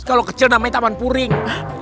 kalau kecil namanya taman puring